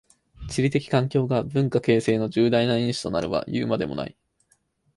地理的環境が文化形成の重大な因子となるはいうまでもない。